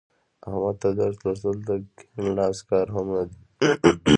احمد ته درس لوستل د کیڼ لاس کار هم نه دی.